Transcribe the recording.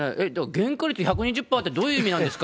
原価率１２０パーってどういう意味なんですか？